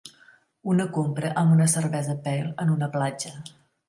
Una compra amb una cervesa pale en una platja.